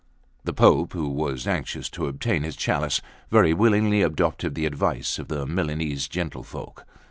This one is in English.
The Pope, who was anxious to obtain his chalice, very willingly adopted the advice of the Milanese gentlefolk.